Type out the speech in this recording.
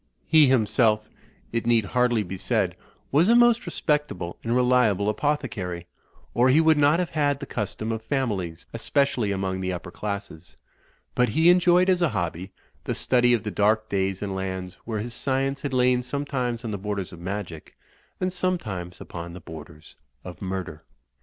He himself, it need hardly be said, was a most respectable and reliable apothecary, or he would not have had the custom of families, especially among the upper classes; but he enjoyed as a hobby, the study of the dark days and lands where his science had lain sometimes on the borders of magic and some times upon the borders of murder.